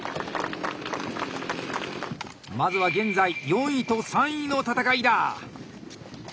まずは現在４位と３位の戦いだ。